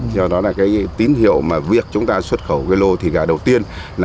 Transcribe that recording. do đó là cái tín hiệu mà việc chúng ta xuất khẩu cái lô thịt gà đầu tiên